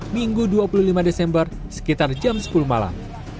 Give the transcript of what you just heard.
minggu dua puluh lima desember sekitar jam sepuluh malam